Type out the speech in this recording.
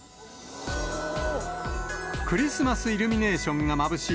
クリスマスイルミネーションがまぶしい